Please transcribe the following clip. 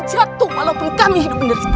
jatuh walaupun kami hidup menerita